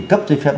cấp cho phép